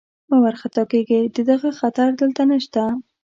مه وارخطا کېږئ، د دغه خطر دلته نشته.